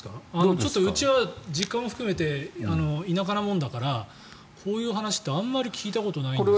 ちょっとうちは実家も含めて田舎なもんだからこういう話って、あまり聞いたことないんですけど。